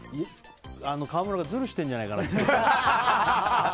川村がズルしてるんじゃないかなって。